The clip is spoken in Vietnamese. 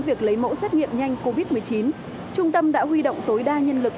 việc lấy mẫu xét nghiệm nhanh covid một mươi chín trung tâm đã huy động tối đa nhân lực